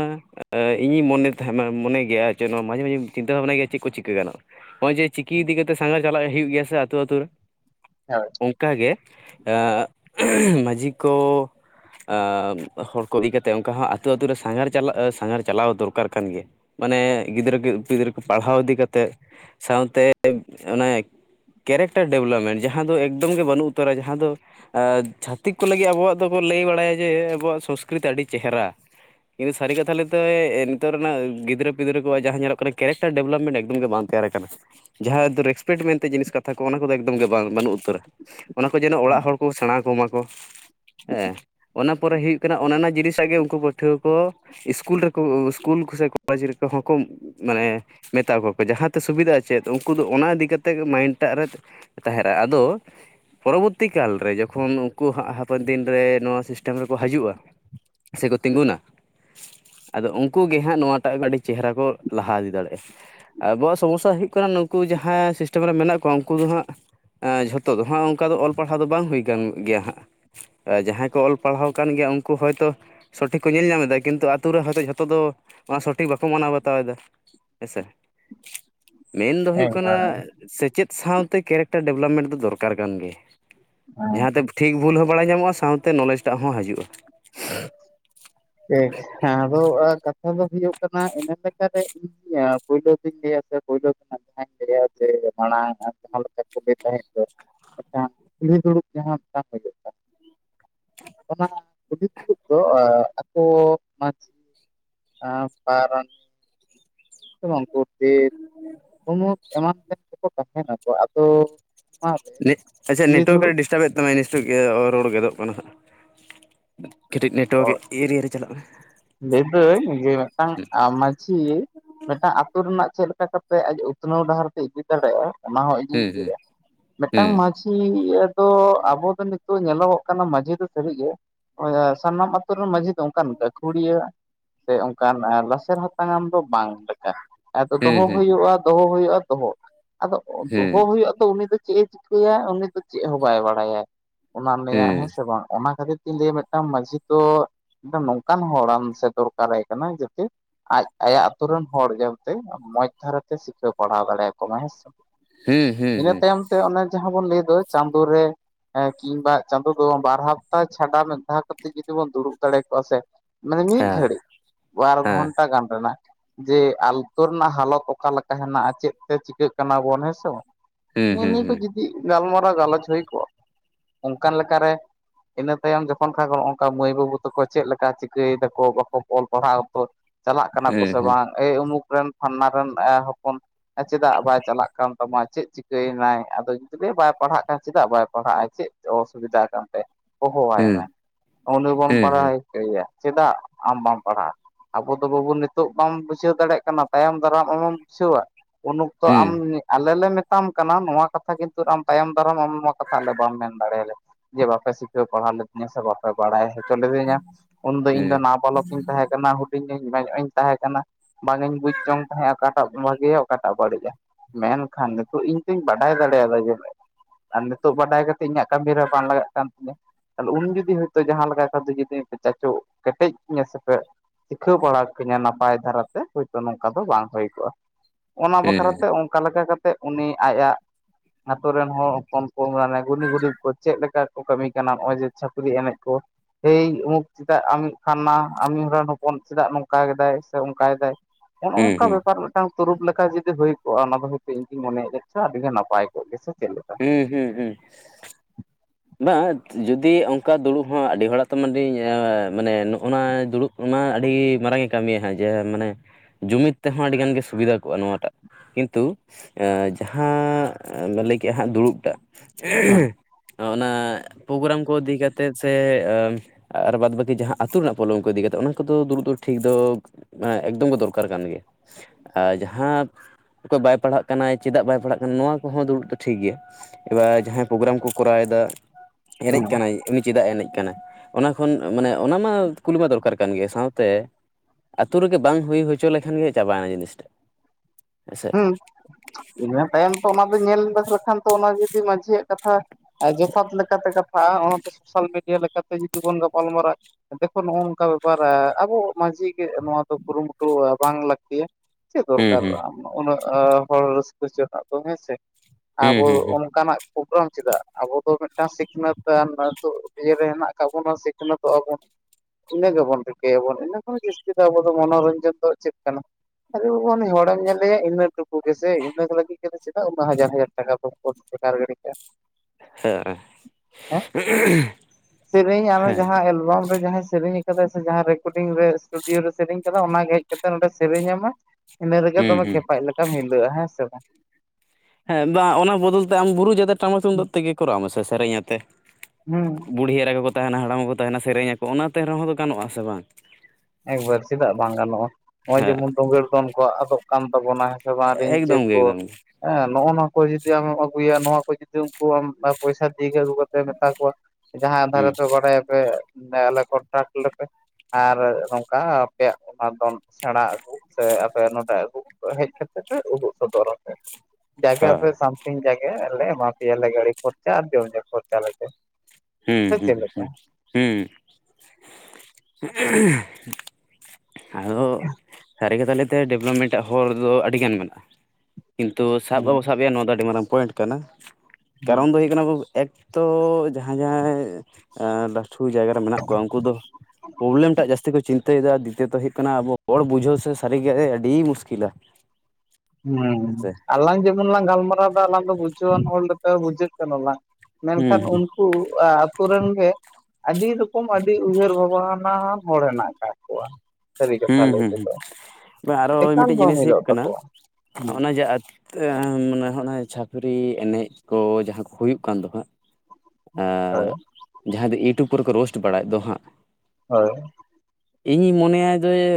ᱤᱧᱤᱧ ᱢᱚᱱᱮ ᱦᱮᱸ ᱢᱟ ᱢᱚᱱᱮ ᱜᱮᱭᱟ ᱱᱚᱣᱟ ᱢᱟᱡᱮ ᱢᱟᱡᱮ ᱪᱤᱱᱛᱟᱹ ᱵᱷᱟᱱᱟ ᱜᱮᱭᱟ ᱪᱮᱫ ᱪᱤᱠᱟᱹ ᱜᱟᱱᱼᱟ ᱱᱚᱜᱼᱚᱭ ᱡᱮ ᱪᱤᱠᱤ ᱤᱫᱤ ᱠᱟᱛᱮᱜ ᱥᱟᱸᱜᱷᱟᱨ ᱪᱟᱞᱟᱜ ᱦᱩᱭᱩᱜ ᱜᱮᱭᱟ ᱥᱮ ᱟᱹᱛᱩ ᱟᱹᱛᱩ? ᱦᱳᱭ ᱚᱱᱠᱟᱜᱮ ᱢᱟᱡᱷᱤ ᱠᱚ ᱮ ᱦᱚᱲ ᱠᱚ ᱤᱫᱤ ᱠᱟᱛᱮᱫ ᱚᱱᱠᱟ ᱦᱚᱸ ᱟᱹᱛᱩ ᱟᱹᱛᱩ ᱨᱮ ᱥᱟᱸᱜᱷᱟᱨ ᱪᱟᱞᱟᱜ ᱥᱟᱸᱜᱷᱟᱨ ᱪᱟᱞᱟᱣ ᱫᱚᱨᱠᱟᱨ ᱠᱟᱱ ᱜᱮᱭᱟ ᱢᱟᱱᱮ ᱜᱤᱫᱽᱨ ᱯᱤᱫᱽᱨᱟᱹ ᱠᱚ ᱯᱟᱲᱦᱟᱣ ᱤᱫᱤ ᱠᱟᱛᱮᱫ ᱥᱟᱶᱛᱮ ᱚᱱᱮ ᱠᱮᱨᱮᱠᱴᱟᱨ ᱰᱮᱵᱷᱞᱚᱯᱢᱮᱱᱴ ᱡᱟᱦᱟᱸ ᱫᱚ ᱮᱠᱫᱚᱢ ᱜᱮ ᱵᱟᱹᱱᱩᱜ ᱩᱛᱟᱹᱨᱟ ᱡᱟᱦᱟᱸ ᱫᱚ ᱮᱫ ᱪᱷᱟᱹᱛᱤᱠ ᱠᱚ ᱞᱟᱹᱜᱤᱫ ᱟᱵᱚᱣᱟᱜ ᱫᱚᱠᱚ ᱞᱟᱹᱭ ᱵᱟᱲᱟᱭᱟ ᱡᱮ ᱟᱵᱚᱣᱟᱜ ᱥᱚᱝᱥᱠᱨᱤᱛᱤ ᱟᱹᱰᱤ ᱪᱮᱦᱨᱟ ᱠᱤᱱᱛᱩ ᱥᱟᱹᱨᱤ ᱠᱟᱛᱷᱟ ᱞᱟᱹᱭᱛᱮ ᱱᱤᱛᱚᱜ ᱨᱮᱱᱟᱜ ᱜᱤᱫᱽᱨᱟᱹ ᱯᱤᱫᱽᱨᱟᱹ ᱠᱚᱣᱟᱜ ᱡᱟᱦᱟᱸ ᱧᱮᱞ ᱠᱟᱱᱟ ᱠᱮᱨᱮᱠᱴᱟᱨ ᱰᱮᱵᱷᱞᱯᱢᱮᱱᱴ ᱮᱠᱫᱚᱢ ᱜᱮ ᱵᱟᱝ ᱛᱮᱭᱟᱨ ᱨᱟᱠᱟᱵ ᱡᱟᱦᱟᱸ ᱟᱛᱩ ᱨᱮᱥᱯᱮᱠᱴ ᱢᱮᱱᱛᱮ ᱡᱤᱱᱤᱥ ᱠᱟᱛ ᱛᱟᱠᱩ ᱚᱱᱟ ᱠᱚᱫᱚ ᱮᱠᱫᱚᱢ ᱜᱮ ᱵᱟᱝ ᱵᱟᱹᱱᱩᱜ ᱩᱛᱟᱹᱨᱟ ᱚᱱᱟ ᱠᱚ ᱡᱮᱱᱚ ᱚᱲᱟᱜ ᱦᱚᱲ ᱠᱚ ᱥᱮᱬᱟ ᱠᱚᱢᱟ ᱠᱚ᱾ ᱮ ᱚᱱᱟ ᱯᱚᱨᱮ ᱦᱩᱭᱩᱜ ᱠᱟᱱᱟ ᱚᱱᱮ ᱚᱱᱟ ᱡᱤᱱᱤᱥ ᱢᱟᱜ ᱜᱮ ᱩᱱᱠᱩ ᱯᱟᱹᱴᱷᱩᱣᱟᱹ ᱠᱚ᱾ ᱤᱥᱠᱩᱞ ᱨᱮᱠᱚ ᱥᱠᱩᱞ ᱥᱮ [inaudible] ᱠᱚᱞᱮᱡᱽ ᱨᱮᱦᱚᱸ ᱠᱚ ᱢᱟᱱᱮ ᱢᱮᱛᱟ ᱠᱚᱣᱟᱠᱚ ᱡᱟᱦᱟᱸᱛᱮ ᱥᱩᱵᱤᱫᱟᱜ ᱪᱮᱫ ᱩᱱᱠᱩ ᱫᱚ ᱚᱱᱟ ᱤᱫᱤ ᱠᱟᱛᱮᱫ ᱢᱟᱭᱤᱱᱰ ᱮᱴᱟᱜ ᱨᱮ ᱛᱟᱦᱮᱱᱟ ᱟᱫᱚ᱾ ᱯᱚᱨᱚᱵᱚᱨᱛᱤ ᱠᱟᱞᱨᱮ ᱡᱚᱠᱷᱚᱱ ᱩᱱᱠᱩ ᱦᱟᱸᱜ ᱦᱟᱯᱮᱱ ᱫᱤᱱ ᱨᱮ ᱱᱚᱣᱟ ᱥᱤᱥᱴᱮᱢ ᱨᱮᱠᱚ ᱦᱤᱡᱩᱜᱼᱟ᱾ ᱥᱮ ᱠᱚ ᱛᱤᱸᱜᱩᱱᱟ᱾ ᱟᱫᱚ ᱩᱱᱠᱩ ᱜᱮ ᱦᱟᱸᱜ ᱱᱚᱣᱟᱴᱟᱜ ᱟᱹᱰᱤ ᱪᱮᱦᱨᱟ ᱠᱚ ᱞᱟᱦᱟ ᱤᱫᱤ ᱫᱟᱲᱮᱭᱟᱜᱼᱟ᱾ ᱟᱵᱚᱣᱟᱜ ᱥᱚᱢᱚᱥᱥᱟ ᱦᱩᱭᱩᱜ ᱠᱟᱱᱟ ᱱᱩᱠᱩ ᱡᱟᱦᱟᱸ ᱥᱤᱥᱴᱮᱢ ᱨᱮ ᱢᱮᱱᱟᱜ ᱠᱚ ᱠᱚ ᱩᱱᱠᱩ ᱫᱚ ᱦᱟᱸᱜ ᱡᱷᱚᱛᱚ ᱫᱚ ᱦᱟᱸᱜ ᱚᱱᱠᱟ ᱫᱚ ᱚᱞ ᱯᱟᱲᱦᱟᱣ ᱫᱚ ᱵᱟᱝ ᱦᱩᱭᱠᱟᱱ ᱜᱮᱭᱟ ᱦᱟᱸᱜ᱾ ᱡᱟᱦᱟᱸᱭ ᱠᱚ ᱚᱞ ᱯᱟᱲᱦᱟᱣ ᱠᱟᱱ ᱜᱮᱭᱟ ᱩᱱᱠᱩ ᱦᱚᱭᱛᱚ ᱥᱚᱴᱷᱤᱠ ᱠᱚ ᱧᱮᱞ ᱧᱟᱢ ᱮᱫᱟ ᱠᱤᱱᱛᱩ ᱟᱛᱩ ᱨᱮ ᱦᱚᱭᱛᱚ ᱡᱷᱚᱛᱚ ᱫᱚ ᱚᱱᱟ ᱥᱚᱴᱷᱤᱠ ᱵᱟᱠᱚ ᱢᱟᱱᱟᱣ ᱵᱟᱛᱟᱣ ᱮᱫᱟ᱾ ᱦᱮᱸᱥᱮ᱾ ᱢᱮᱱ ᱫᱚ ᱦᱩᱭᱩᱜ ᱠᱟᱱᱟ ᱮᱠᱵᱟᱨᱮ ᱥᱮᱪᱮᱫ ᱥᱟᱶᱛᱮ ᱠᱮᱨᱮᱠᱴᱟᱨ ᱰᱮᱵᱷᱞᱚᱯᱢᱮᱱᱴ ᱫᱚ ᱫᱚᱨᱠᱟᱨ ᱠᱟᱱ ᱜᱮ᱾ ᱦᱮᱸ ᱡᱟᱦᱟᱸᱛᱮ ᱴᱷᱤᱠ ᱵᱷᱩᱞ ᱦᱚᱸ ᱵᱟᱲᱟᱭ ᱧᱟᱢᱚᱜᱼᱟ ᱥᱟᱶᱛᱮ ᱱᱚᱞᱮᱡᱽ ᱴᱟᱜ ᱦᱚᱸ ᱦᱤᱡᱩᱜᱼᱟ᱾ ᱮ [unintelligible] ᱦᱮ ᱟᱫᱚ ᱠᱟᱛᱷᱟ ᱫᱚ ᱦᱩᱭᱩᱜ ᱠᱟᱱᱟ ᱤᱱᱟᱹ [inaudible] ᱤᱧ ᱯᱳᱞᱳ ᱫᱩᱧ ᱞᱟᱹᱭᱟ [unintelligible] ᱯᱩᱭᱭᱞᱳ ᱛᱮᱱᱟᱜ ᱡᱟᱦᱟᱸᱧ ᱞᱟᱹᱭᱟ ᱡᱮ ᱢᱟᱲᱟᱝ ᱡᱟᱦᱟᱸ ᱞᱮᱠᱟ ᱠᱩᱞᱟᱹᱭ ᱛᱟᱦᱮᱸᱫ ᱫᱚ [unintelligible] [unintelligible] [unintelligible] ᱟ ᱵᱟᱨᱚᱱ [unintelligible] ᱟᱪᱪᱷᱟ ᱠᱩᱞᱦᱤ ᱱᱮᱴᱣᱟ. ᱨᱠ ᱫᱩᱲᱩᱵ ᱨᱮ ᱰᱤᱥᱴᱟᱵᱮᱫ ᱛᱟᱢᱟ ᱱᱤᱥᱪᱚᱭ ᱜᱮ ᱨᱚᱲ ᱜᱮᱫᱚᱜ ᱠᱟᱱᱟ ᱦᱟᱸᱜ᱾ ᱠᱟᱹᱴᱤᱡ ᱱᱮᱴᱣᱟ. ᱨᱠ ᱮᱨᱤᱭᱟ ᱨᱮ ᱪᱟᱞᱟᱜ ᱢᱮ᱾ ᱞᱟᱹᱭᱫᱟᱹᱧ ᱡᱮ ᱢᱤᱫᱴᱟᱝ ᱢᱟᱹᱡᱷᱤ ᱢᱤᱫᱴᱟᱝ ᱟᱹᱛᱩ ᱨᱮᱱᱟᱜ ᱪᱮᱫ ᱞᱮᱠᱟ ᱠᱟᱛᱮ ᱟᱡ ᱩᱛᱱᱟᱹᱣ ᱰᱟᱦᱟᱨ ᱛᱮᱭ ᱤᱫᱤ ᱫᱟᱲᱮᱭᱟᱜᱼᱟ᱾ ᱚᱱᱟ ᱦᱚᱸ ᱤᱧ ᱦᱩᱸ ᱞᱟᱹᱭᱟ ᱢᱤᱫᱴᱟᱝ ᱦᱩᱸ ᱢᱟᱡᱷᱤ ᱢᱟᱹᱡᱷᱤ ᱤᱭᱟᱹ ᱫᱚ ᱟᱵᱚ ᱫᱚ ᱱᱤᱛᱚᱜ ᱧᱮᱞᱚᱜᱚᱜ ᱠᱟᱱᱟ ᱢᱟᱹᱡᱷᱤ ᱫᱚ ᱥᱟᱹᱨᱤ ᱜᱮ᱾ ᱦᱚᱭ ᱦᱚᱭ ᱥᱟᱱᱟᱢ ᱟᱛᱩ ᱨᱤᱱ ᱢᱟ. ᱡᱷᱤ ᱫᱚ ᱚᱱᱠᱟᱱ ᱜᱮᱭᱟ ᱠᱚ᱾ ᱫᱷᱩᱲᱤᱭᱟᱹ ᱥᱮ ᱚᱱᱠᱟᱱ ᱞᱟᱥᱮᱨ ᱦᱟᱛᱟᱝ ᱟᱱ ᱫᱚ ᱵᱟᱝ᱾ ᱟᱫᱚ ᱦᱩᱸ ᱫᱚᱦᱚ ᱦᱩᱸ ᱦᱩᱭᱩᱜᱼᱟ ᱫᱚᱦᱚ ᱦᱩᱭᱩᱜᱼᱟ ᱫᱚᱦᱚ ᱟᱫᱚ ᱦᱩᱸ ᱦᱩᱸ ᱫᱚᱦᱚ ᱦᱩᱸ ᱦᱩᱸ ᱦᱩᱭᱩᱜᱼᱟ ᱫᱚ ᱩᱱᱤ ᱫᱚ ᱪᱮᱫ ᱮ ᱪᱤᱠᱟᱹᱭᱟ ᱩᱱᱤ ᱫᱚ ᱪᱮᱫ ᱦᱚᱸ ᱵᱟᱭ ᱵᱟᱲᱟᱭᱟᱭ᱾ ᱚᱱᱟ ᱞᱟᱹᱭᱟ ᱦᱮᱸ ᱦᱩᱸ ᱥᱮ ᱵᱟᱝ ᱚᱱᱟ ᱠᱷᱟᱹᱛᱤᱨ ᱛᱤᱧ ᱞᱟᱹᱭᱟ ᱢᱤᱫᱴᱟᱝ ᱢᱟᱹᱡᱷᱤ ᱫᱚ ᱢᱤᱫ ᱱᱚᱝ ᱚᱱᱠᱟᱱ ᱦᱚᱲᱟᱢ ᱥᱮ ᱫᱚᱨᱠᱟᱨᱟᱭ ᱠᱟᱱᱟ ᱡᱚᱠᱤ ᱟᱡ ᱟᱭᱟᱜ ᱟ. ᱛᱩ ᱨᱮᱱ ᱦᱚᱲ ᱡᱚᱛᱮ ᱢᱚᱸᱡᱽ ᱫᱷᱟᱨᱮ ᱛᱮ ᱥᱤᱠᱷᱟᱹᱣ ᱯᱟᱲᱦᱟᱣ ᱫᱟᱲᱮᱭᱟᱠᱚᱢᱟᱭ ᱦᱮᱸᱥᱮ ᱵᱟᱝ? ᱦᱮᱸ ᱦᱮᱸ ᱤᱱᱟᱹ ᱦᱩᱸ ᱛᱟᱭᱚᱢ ᱛᱮ ᱚᱱᱮ ᱡᱟᱦᱟᱸ ᱵᱚᱱ ᱞᱟᱹᱭᱮ ᱫᱚ ᱪᱟᱸᱫ ᱨᱮ ᱠᱤᱢᱵᱟ ᱪᱟᱸᱫᱚ ᱫᱚ ᱵᱟᱨ ᱦᱟᱯᱛᱟ ᱪᱷᱟᱰᱟ ᱢᱤᱫ ᱫᱷᱟ. ᱣ ᱠᱟᱛᱮ ᱡᱩᱫᱤ ᱵᱚᱱ ᱫᱩᱲᱩᱵ ᱫᱟᱲᱮ ᱠᱚᱜᱼᱟ ᱥᱮ ᱢᱟᱱᱮ ᱢᱤᱫ ᱜᱷᱟᱹᱲᱤᱡ ᱵᱟᱨ ᱜᱷᱚᱱᱴᱟ ᱜᱟᱱ ᱨᱮᱱᱟᱜ᱾ ᱡᱮ ᱟ. ᱛᱩ ᱨᱮᱱᱟᱜ ᱦᱟᱞᱚᱛ ᱚᱠᱟ ᱞᱮᱠᱟ ᱦᱮᱱᱟᱜᱼᱟ ᱪᱮᱫ ᱛᱮ ᱪᱤᱠᱟᱹᱜ ᱠᱟᱱᱟ ᱵᱚᱱ ᱦᱮᱸᱥᱮ ᱵᱟᱝ? ᱦᱩᱸ ᱦᱩᱸ ᱱᱤ ᱦᱩᱸ ᱱᱤᱭᱟᱹ ᱠᱚ ᱡᱩᱫᱤ ᱜᱟᱞᱢᱟᱨᱟᱣ ᱜᱟᱞᱚᱪ ᱨᱮ ᱦᱩᱭ ᱠᱚᱜᱼᱟ᱾ ᱚᱱᱠᱟᱱ ᱞᱮᱠᱟᱨᱮ ᱤᱱᱟᱹ ᱛᱟᱭᱚᱢ ᱡᱚᱠᱷᱚᱱ ᱠᱷᱟ ᱱᱚᱜᱼᱚ ᱱᱚᱝᱠᱟ ᱢᱟᱹᱭ ᱵᱟᱹᱵᱩ ᱛᱮᱠᱚ ᱪᱮᱫ ᱞᱮᱠᱟ ᱪᱤ ᱪᱤᱠᱟᱹᱭ ᱮᱫᱟ ᱠᱚ ᱵᱟᱠᱚ ᱚᱞ ᱯᱟᱲᱦᱟᱣ ᱠᱚ ᱪᱟᱞᱟᱜ ᱠᱟᱱᱟ ᱠᱚ ᱥᱮ ᱦᱩᱸ ᱦᱩᱸ ᱦᱩᱸ ᱦᱩᱸ ᱦᱩᱸ ᱦᱩᱸ ᱦᱩᱸ ᱵᱟᱝ? ᱮᱭ ᱩᱢᱩᱠ ᱠᱟᱱ ᱯᱷᱟᱨᱱᱟ ᱨᱤᱱ ᱦᱚᱯᱚᱱ ᱪᱮᱫᱟᱜ ᱵᱟᱭ ᱪᱟᱞᱟᱜ ᱠᱟᱱ ᱛᱟᱢᱟ ᱪᱮᱫ ᱪᱮᱠᱟ ᱪᱤᱠᱟᱹᱭᱮᱱᱟᱭ ᱟᱫᱚ ᱡᱩᱫᱤ ᱞᱟᱹᱭ ᱵᱟᱭ ᱯᱟᱲᱦᱟᱜ ᱠᱷᱟᱱ ᱪᱮᱫᱟᱜ ᱵᱟᱭ ᱯᱟᱲᱦᱟᱜᱼᱟ ᱪᱮᱫ ᱚᱥᱩᱵᱤᱫᱟ ᱠᱟᱱᱛᱮ᱾ ᱦᱚᱦᱚᱣᱟᱭ ᱢᱮ ᱩᱱᱤ ᱵᱚᱱ ᱯᱟᱲᱦᱟᱣ ᱦᱚᱪᱚᱭᱟ᱾ ᱪᱮᱫᱟᱜ ᱟᱢ ᱵᱟᱢ ᱯᱟᱲᱦᱟᱜᱼᱟ? ᱟᱵᱚ ᱫᱚ ᱵᱟᱹᱵᱩ ᱱᱤᱛᱚᱜ ᱵᱟᱢ ᱵᱩᱡᱷᱟᱹᱣ ᱫᱟᱲᱮᱭᱟᱜ ᱠᱟᱱᱟ ᱛᱟᱭᱚᱢ ᱫᱟᱨᱟᱢ ᱟᱢᱮᱢ ᱵᱩᱡᱷᱟᱹᱣᱟ ᱩᱱ ᱚᱠᱛᱚ ᱟᱢ ᱟᱞᱮ ᱞᱮ ᱢᱮᱛᱟᱢ ᱠᱟᱱᱟ ᱱᱚᱣᱟ ᱠᱟᱛᱷᱟ ᱠᱤᱱᱛᱩ ᱟᱢ ᱛᱟᱭᱚᱢ ᱫᱟᱨᱟᱢ ᱟᱢ ᱱᱚᱣᱟ ᱠᱟᱛᱷᱟ ᱟᱞᱮ ᱵᱟᱢ ᱢᱮᱱ ᱫᱟᱲᱮᱭᱟᱞᱮᱭᱟ᱾ ᱡᱮ ᱵᱟᱯᱮ ᱥᱤᱠᱷᱟᱹᱣ ᱯᱟᱲᱦᱟᱣ ᱞᱮᱫᱤᱫᱤᱧᱟ ᱥᱮ ᱵᱟᱯᱮ ᱵᱟᱲᱟᱭ ᱦᱚᱪᱚ ᱞᱤᱫᱤᱧᱟ᱾ ᱫᱚ ᱤᱧ ᱫᱚ ᱱᱟ ᱵᱟᱞᱚᱠᱤᱧ ᱛᱟᱦᱮᱸ ᱠᱟᱱᱟ ᱦᱩᱰᱤᱧᱚᱜ ᱤᱧ ᱛᱟᱦᱮᱸ ᱠᱟᱱᱟ᱾ ᱵᱟᱝ ᱤᱧ ᱵᱩᱡᱽ ᱡᱚᱝ ᱛᱟᱦᱮᱸ ᱚᱠᱟᱴᱟᱜ ᱵᱷᱟᱹᱜᱤᱭᱟ ᱚᱠᱟᱴᱟᱜ ᱵᱟᱹᱲᱤᱡᱼᱟ᱾ ᱢᱮᱱᱠᱷᱟᱱ ᱱᱤᱛᱚᱜ ᱤᱧ ᱛᱤᱧ ᱵᱟᱰᱟᱭ ᱫᱟᱲᱮᱭᱟᱫᱟ ᱡᱮ ᱟᱨ ᱱᱤᱛᱚᱜ ᱵᱟᱰᱟᱭ ᱠᱟᱛᱮ ᱤᱧᱟᱹᱜ ᱠᱟᱹᱢᱤ ᱨᱮ ᱵᱟᱝ ᱞᱟᱜᱟᱜ ᱠᱟᱱ ᱛᱤᱧᱟᱹ᱾ ᱩᱱ ᱡᱩᱫᱤ ᱦᱚᱭᱛᱚ ᱡᱟᱦᱟᱸ ᱞᱮᱠᱟ ᱠᱟᱛᱮᱜ ᱡᱩᱫᱤ ᱪᱟᱪᱚ ᱠᱮᱴᱮᱡ ᱠᱤᱧᱟᱹ ᱥᱮᱯᱮ᱾ ᱥᱤᱠᱷᱟᱹᱣ ᱵᱟᱲᱟ ᱠᱤᱧᱟᱹ ᱱᱟᱯᱟᱭ ᱫᱷᱟᱨᱟᱛᱮ ᱦᱚᱭᱛᱚ ᱱᱚᱝᱠᱟ ᱫᱚ ᱵᱟᱝ ᱦᱩᱭ ᱠᱚᱜᱼᱟ᱾ ᱚᱱᱟ ᱵᱟᱠᱷᱨᱟᱛᱮ ᱚᱱᱠᱟ ᱞᱮᱠᱟ ᱠᱟᱛᱮ ᱩᱱᱤ ᱟᱭᱟᱜ ᱟ. ᱛᱩ ᱨᱤᱱ ᱦᱚᱲ ᱦᱚᱯᱚᱱ ᱢᱟᱱᱮ ᱜᱷᱩᱱᱤ ᱜᱷᱩᱨᱤᱯ ᱠᱚ ᱪᱮᱫ ᱞᱮᱠᱟ ᱠᱚ ᱠᱟᱹᱢᱤ ᱠᱟᱱᱟ ᱱᱚᱜᱼᱚᱭ ᱡᱮ ᱪᱷᱟᱹᱯᱨᱤ ᱮᱱᱮᱡ ᱠᱚ ᱮᱭ ᱩᱢᱩᱠ [unintelligible] ᱚᱱᱮ ᱦᱩᱸ ᱚᱝᱠᱟ ᱦᱩᱸ ᱵᱮᱯᱟᱨ ᱢᱤᱫᱴᱟ. ᱝ ᱛᱩᱹᱨᱩᱵᱽ ᱞᱮᱠᱟ ᱡᱩᱫᱤ ᱦᱩᱭ ᱠᱚᱜᱼᱟ ᱚᱱᱟ ᱫᱚ ᱦᱚᱭᱛᱚ ᱤᱧᱫᱩᱧ ᱢᱚᱱᱮᱭᱮᱫ ᱟᱹᱰᱤ ᱜᱮ ᱱᱟᱯᱟᱭ ᱠᱚᱜ ᱜᱮ ᱥᱮ ᱪᱮᱫᱞᱮᱠᱟ? ᱦᱩᱸ ᱦᱩᱸ ᱦᱩᱸ᱾ [inaudible] ᱵᱟᱝ ᱡᱩᱫᱤ ᱚᱱᱠᱟ ᱫᱩᱲᱩᱵ ᱦᱚᱸ ᱟᱹᱰᱤ ᱦᱚᱲᱟ ᱛᱚ ᱢᱮᱱᱫᱟᱹᱧ ᱢᱟᱱᱮ ᱱᱚᱜᱼᱱᱟ ᱫᱩᱲᱩᱵ ᱢᱟ ᱟᱹᱰᱤ ᱢᱟᱨᱟᱝ ᱮ ᱠᱟᱹᱢᱤᱭᱟ ᱦᱟᱸᱜ ᱡᱮ ᱢᱟᱱᱮ ᱡᱩᱢᱤᱫ ᱛᱮᱦᱚᱸ ᱟᱹᱰᱤᱜᱟᱱ ᱜᱮ ᱥᱩᱵᱤᱫᱷᱟ ᱠᱚᱜᱼᱟ ᱱᱚᱣᱟᱴᱟᱜ ᱠᱤᱱᱛᱩ ᱡᱟᱦᱟᱸ ᱞᱟᱹᱭ ᱠᱮᱜᱼᱟ ᱦᱟᱸᱜ ᱫᱩᱲᱩᱵ ᱴᱟᱜ ᱦᱮᱸ ᱚᱱᱟ ᱯᱨᱚᱜᱨᱟᱢ ᱠᱚ ᱤᱫᱤ ᱠᱟᱛᱮᱫ ᱥᱮ ᱟᱨ ᱵᱟᱫ ᱵᱟᱹᱠᱤ ᱡᱟᱦᱟᱸ ᱟᱹᱛᱩ ᱨᱮᱱᱟᱜ ᱯᱚᱞᱚᱢ ᱠᱚ ᱤᱫᱤ ᱠᱟᱛᱮᱫ ᱚᱱᱟ ᱠᱚᱫᱚ ᱫᱩᱲᱩᱵ ᱫᱚ ᱴᱷᱤᱠ ᱫᱚ ᱦᱮᱸ ᱮᱠᱫᱚᱢ ᱜᱮ ᱫᱚᱨᱠᱟᱨ ᱠᱟᱱ ᱜᱮᱭᱟ᱾ ᱟᱨ ᱡᱟᱦᱟᱸ ᱚᱠᱚᱭ ᱵᱟᱭ ᱯᱟᱲᱦᱟᱜ ᱠᱟᱱᱟᱭ ᱪᱮᱫᱟᱜ ᱵᱟᱭ ᱯᱟᱲᱦᱟᱜ ᱠᱟᱱᱟ ᱱᱚᱣᱟ ᱠᱚᱦᱚᱸ ᱫᱩᱲᱩᱵ ᱴᱷᱤᱠ ᱜᱮᱭᱟ᱾ ᱮᱵᱟᱨ ᱡᱟᱦᱟᱸᱭ ᱯᱨᱚᱜᱨᱟᱢ ᱠᱚ ᱠᱚᱨᱟᱣᱮᱫᱟ ᱦᱮᱸ ᱮᱱᱮᱡ ᱠᱟᱱᱟᱭ ᱩᱱᱤ ᱪᱮᱫᱟᱜ ᱮ ᱮᱱᱮᱡ ᱠᱟᱱᱟ? ᱚᱱᱟ ᱠᱷᱚᱱ ᱢᱟᱱᱮ ᱚᱱᱟ ᱢᱟ ᱠᱩᱞᱤ ᱢᱟ ᱫᱚᱨᱠᱟᱨ ᱠᱟᱱ ᱜᱮᱭᱟ ᱥᱟᱶᱛᱮ ᱟᱹᱛᱩ ᱨᱮᱜᱮ ᱵᱟᱝ ᱦᱩᱭ ᱦᱚᱪᱚ ᱞᱮᱠᱷᱟᱱ ᱜᱮ ᱪᱟᱵᱟᱭᱮᱱᱟ ᱡᱤᱱᱤᱥᱴᱟ ᱦᱩᱸ ᱤᱱᱟᱹ ᱛᱟᱭᱚᱢ ᱛᱚ ᱚᱱᱟ ᱫᱚ ᱧᱮᱞ ᱞᱮᱠᱷᱟᱱ ᱛᱚ ᱚᱱᱟ ᱡᱩᱫᱤ ᱢᱟᱡᱷᱤᱭᱟᱜ ᱠᱟᱛᱷᱟ ᱟᱨ ᱡᱚᱛᱷᱟᱛ ᱞᱮᱠᱟᱛᱮ ᱠᱟᱛᱷᱟᱜᱼᱟ ᱚᱱᱟᱛᱮ ᱥᱳᱥᱟᱞ ᱢᱤᱰᱤᱭᱟ ᱞᱮᱠᱟᱛᱮ ᱡᱩᱫᱤ ᱵᱚᱱ ᱜᱟᱯᱟᱞᱢᱟᱨᱟ ᱡᱮᱠᱷᱚᱱ ᱱᱚᱜᱼᱚ ᱱᱚᱝᱠᱟ ᱵᱮᱯᱟᱨ ᱟᱵᱚᱣᱟᱜ ᱢᱟᱺᱡᱷᱤ ᱜᱮ ᱱᱚᱣᱟ ᱫᱚ ᱠᱩᱨᱩᱢᱩᱴᱩ ᱵᱟᱝ ᱞᱟᱹᱠᱛᱤᱭᱟ ᱪᱮᱫ ᱦᱩᱸ ᱫᱚᱨᱠᱟᱨ ᱦᱩᱸ ᱩᱱᱟᱹᱜ ᱦᱚᱲ ᱨᱟᱹᱥᱠᱟᱹ ᱪᱚ ᱨᱮᱱᱟᱜ ᱫᱚ ᱦᱮᱸᱥᱮ ᱾ ᱦᱩᱸ ᱟᱵᱚ ᱦᱩᱸ ᱦᱩᱸ ᱚᱱᱠᱟᱱᱟᱜ ᱯᱨᱳᱜᱨᱟᱢ ᱪᱮᱫᱟᱜ ᱟᱵᱚ ᱫᱚ ᱢᱤᱫᱴᱟᱝ ᱥᱤᱠᱷᱱᱟᱹᱛᱟᱱ ᱱᱤᱛᱚᱜ ᱤᱭᱟᱹᱨᱮ ᱦᱮᱱᱟᱜ ᱟᱠᱟᱫ ᱵᱚᱱᱟ ᱥᱤᱠᱷᱱᱟᱹᱛᱚᱜᱼᱟᱵᱚᱱ ᱾ ᱤᱱᱟᱹ ᱜᱮᱵᱚᱱ ᱨᱤᱠᱟᱹᱭᱟᱵᱚᱱ ᱤᱱᱟᱹ ᱠᱷᱚᱱ ᱡᱟᱹᱥᱛᱤ ᱫᱚ ᱟᱵᱚ ᱫᱚ ᱢᱚᱱᱚᱨᱚᱧᱡᱚᱱ ᱫᱚ ᱪᱮᱫ ᱠᱟᱱᱟ ᱠᱷᱟᱞᱤ ᱩᱱᱤ ᱦᱚᱲᱮᱢ ᱧᱮᱞᱭᱟ ᱤᱱᱟᱹ ᱴᱩᱠᱩ ᱜᱮᱥᱮ ᱤᱱᱟᱹ ᱞᱟᱜᱤᱫ ᱪᱮᱫᱟᱜ ᱚᱱᱟ ᱦᱟᱡᱟᱨ ᱦᱟᱡᱟᱨ ᱴᱟᱠᱟ ᱵᱚ ᱵᱮᱠᱟᱨ ᱠᱟᱜᱼᱟ ᱾ ᱦᱮᱸ ᱦᱮ ᱥᱮᱨᱮᱧ ᱟᱨᱚ ᱦᱮᱸ ᱡᱟᱦᱟᱸ ᱮᱞᱵᱟᱢ ᱨᱮ ᱡᱟᱦᱟᱸᱭ ᱥᱮᱨᱮᱧ ᱥᱮ ᱡᱟᱦᱟᱸ ᱨᱮᱠᱚᱨᱰᱤᱝ ᱨᱮ ᱥᱴᱩᱰᱤᱭᱳ ᱨᱮ ᱥᱮᱨᱮᱧ ᱠᱟᱫᱟ ᱚᱱᱟ ᱦᱮᱡ ᱠᱟᱛᱮ ᱱᱚᱰᱮ ᱥᱮᱨᱮᱧᱢᱟ ᱤᱱᱟᱹ ᱨᱮᱜᱮ ᱦᱩᱸ ᱫᱚᱢᱮ ᱦᱩᱸ ᱠᱷᱮᱯᱟᱭᱤᱡ ᱞᱮᱠᱟᱢ ᱦᱤᱞᱟᱹᱜᱼᱟ ᱦᱮᱸ ᱥᱮ ᱵᱟᱝ ᱦᱮᱸ ᱵᱟᱝ ᱚᱱᱟ ᱵᱚᱫᱚᱞ ᱛᱮ ᱟᱢ ᱵᱩᱨᱩ ᱡᱟᱛᱮ ᱴᱟᱢᱟᱠ ᱛᱩᱢᱫᱟᱜ ᱛᱮᱜᱮ ᱠᱚᱨᱟᱣ ᱟ ᱢᱮᱥᱮ ᱥᱮᱨᱮᱧ ᱟᱛᱮ ᱦᱩᱸ ᱾ ᱵᱩᱲᱦᱤ ᱮᱨᱟ ᱠᱚᱠᱚ ᱛᱟᱦᱮᱱᱟ ᱦᱟᱲᱟᱢ ᱠᱚᱠᱚ ᱛᱟᱦᱮᱱᱟ ᱥᱮᱨᱮᱧ ᱟᱠᱚ ᱚᱱᱟᱛᱮ ᱨᱮᱦᱚᱸ ᱫᱚ ᱜᱟᱱᱚᱜ ᱟᱥᱮ ᱵᱟᱝ ᱾ ᱮᱠᱵᱟᱨᱮ ᱪᱮᱫᱟᱜ ᱵᱟᱝ ᱜᱟᱱᱚᱜᱼᱟ ᱱᱚᱜᱼᱚᱭ ᱡᱮᱢᱚᱱ ᱫᱩᱜᱟᱹᱲ ᱫᱚᱱ ᱠᱚᱣᱟᱜ ᱟᱫᱚᱜ ᱠᱟᱱ ᱛᱟᱵᱚᱱᱟ ᱥᱮ ᱵᱟᱝ ᱨᱤᱡᱟᱹ ᱮᱠᱫᱚᱢ ᱜᱮ ᱠᱚ ᱮᱠᱫᱚᱢ ᱜᱮ ᱦᱮᱸ ᱱᱚᱜᱼᱚ ᱱᱚᱣᱟ ᱠᱚ ᱡᱩᱫᱤ ᱟᱢᱮᱢ ᱟᱹᱜᱩᱭᱟ ᱱᱚᱣᱟ ᱠᱚ ᱡᱩᱫᱤ ᱩᱱᱠᱩ ᱟᱢ ᱯᱚᱭᱥᱟ ᱫᱤᱭᱮ ᱟᱹᱜᱩ ᱠᱟᱛᱮ ᱢᱮᱛᱟ ᱠᱚᱣᱟ ᱡᱟᱦᱟᱸ ᱫᱷᱟᱨᱮ ᱦᱩᱸ ᱯᱮ ᱵᱟᱲᱟᱭᱟᱯᱮ ᱟᱞᱮ ᱠᱚᱱᱴᱨᱟᱠᱴ ᱞᱮᱯᱮ ᱟᱨ ᱱᱚᱝᱠᱟ ᱟᱯᱮᱭᱟᱜ ᱚᱱᱟ ᱫᱚ ᱥᱮᱬᱟ ᱟᱹᱜᱩ ᱥᱮ ᱟᱯᱮ ᱱᱚᱰᱮ ᱟᱹᱜᱩ ᱦᱮᱡ ᱠᱟᱛᱮ ᱯᱮ ᱩᱫᱩᱜ ᱥᱚᱫᱚᱨᱟᱯᱮ ᱡᱮ ᱦᱳᱭ ᱟᱯᱮ ᱥᱟᱱ ᱛᱤᱱ ᱡᱟᱜᱮ ᱞᱮ ᱮᱢᱟ ᱯᱮᱭᱟᱞᱮ ᱜᱟᱹᱲᱤ ᱠᱷᱚᱨᱪᱟ ᱟᱨ ᱡᱚᱢᱼᱧᱩ ᱠᱷᱚᱨᱪᱟ ᱞᱮ ᱦᱮᱸ ᱦᱮᱸ ᱦᱮᱸ ᱦᱩᱸ ᱟᱫᱚ ᱥᱟᱹᱨᱤ ᱠᱟᱛᱷᱟ ᱞᱟᱹᱭ ᱛᱮ ᱰᱮᱵᱷᱞᱚᱯᱢᱮᱱᱴ ᱟᱜ ᱦᱚᱨ ᱫᱚ ᱟᱹᱰᱤᱜᱟᱱ ᱢᱮᱱᱟᱜᱼᱟ ᱠᱤᱱᱛᱩ ᱥᱟᱵ ᱦᱩᱸ ᱵᱟᱵᱚ ᱥᱟᱵ ᱮᱼᱟ ᱱᱚᱣᱟ ᱫᱚ ᱟᱹᱰᱤ ᱢᱟᱨᱟᱝ ᱯᱚᱭᱮᱱᱴ ᱠᱟᱱᱟ ᱦᱩᱸ ᱠᱟᱨᱚᱱ ᱫᱚ ᱦᱩᱭᱩᱜ ᱠᱟᱱᱟ ᱮᱠ ᱛᱚ ᱡᱟᱦᱟᱸ ᱡᱟᱦᱟᱸᱭ ᱞᱟᱹᱴᱷᱩ ᱡᱟᱭᱜᱟ ᱨᱮ ᱢᱮᱱᱟᱜ ᱠᱚᱣᱟ ᱩᱱᱠᱩ ᱫᱚ ᱯᱨᱚᱵᱞᱮᱢ ᱴᱟᱜ ᱡᱟᱹᱥᱛᱤ ᱠᱚ ᱪᱤᱱᱛᱟᱹ ᱫᱤᱛᱟᱹᱭᱟ ᱫᱤᱛᱤᱭᱚ ᱦᱩᱭᱩᱜ ᱠᱟᱱᱟ ᱟᱵᱚ ᱦᱚᱲ ᱵᱩᱡᱷᱟᱹᱣ ᱥᱮ ᱥᱟᱹᱨᱤᱜᱮ ᱟᱹᱰᱤ ᱢᱩᱥᱠᱤᱞᱟ ᱾ ᱦᱮᱸ ᱟᱞᱟᱝ ᱡᱮᱢᱚᱱᱞᱟᱝ ᱜᱟᱞᱢᱟᱨᱟᱣᱫᱟ ᱟᱞᱟᱝ ᱫᱚ ᱵᱩᱡᱷᱣᱟᱱ ᱦᱚᱲ ᱞᱮᱠᱟ ᱵᱩᱡᱷᱟᱜ ᱠᱟᱱᱟᱞᱟᱝ ᱢᱮᱱᱠᱷᱟᱱ ᱦᱩᱸ ᱩᱱᱠᱩ ᱟᱛᱳ ᱨᱮᱱ ᱜᱮ ᱟᱹᱰᱤ ᱨᱚᱠᱚᱢ ᱟᱹᱰᱤ ᱩᱭᱦᱟᱹᱨ ᱵᱷᱟᱵᱱᱟ ᱦᱚᱲ ᱦᱮᱱᱟᱜ ᱟᱠᱟᱫ ᱠᱚᱣᱟ ᱾ ᱦᱩᱸ ᱦᱩᱸ ᱦᱩᱸ ᱟᱨᱚ ᱮᱠᱟᱞ ᱢᱤᱫᱴᱮᱡ ᱵᱟᱝ ᱡᱤᱱᱤᱥ ᱦᱩᱭᱩᱜ ᱢᱤᱞᱚᱜ ᱠᱟᱱᱟ ᱛᱟᱠᱚᱣᱟ ᱦᱮᱸ ᱚᱱᱟ ᱡᱮ ᱦᱚᱜᱼᱚᱭ ᱪᱷᱟᱹᱯᱨᱤ ᱮᱱᱮᱡ ᱠᱚ ᱡᱟᱦᱟᱸ ᱠᱚ ᱦᱩᱭᱩᱜ ᱠᱟᱱ ᱫᱚ ᱦᱟᱸᱜ ᱦᱳᱭ ᱟᱨ ᱡᱟᱦᱟᱸ ᱫᱚ ᱤᱭᱩᱴᱩᱵ ᱠᱚᱨᱮ ᱠᱚ ᱨᱳᱥᱴ ᱵᱟᱲᱟᱭᱮᱫ ᱫᱚ ᱦᱟᱸᱜ ᱾ ᱦᱳᱭ ᱤᱧᱤᱧ ᱢᱚᱱᱮᱭᱟ